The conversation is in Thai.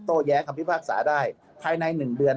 แย้งคำพิพากษาได้ภายใน๑เดือน